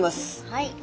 はい。